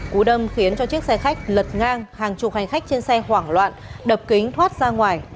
cú đâm khiến cho chiếc xe khách lật ngang hàng chục hành khách trên xe hoảng loạn đập kính thoát ra ngoài